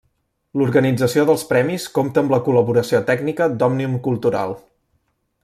L'organització dels premis compta amb la col·laboració tècnica d'Òmnium Cultural.